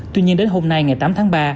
tuy nhiên đến hôm nay ngày tám tháng ba